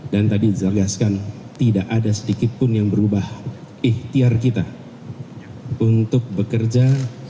dan tadi dijelaskan tidak ada sedikitpun yang berubah ikhtiar kita untuk bekerja